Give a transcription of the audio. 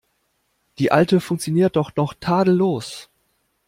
Die alte funktioniert doch noch tadellos.